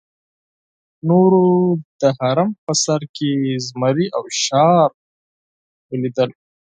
نورو د هرم په سر کې زمري او شارک ولیدل.